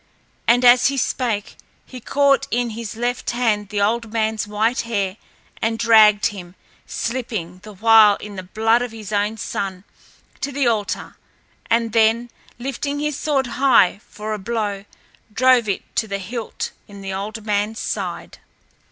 And as he spake he caught in his left hand the old man's white hair and dragged him, slipping the while in the blood of his own son, to the altar, and then, lifting his sword high for a blow, drove it to the hilt in the old man's side.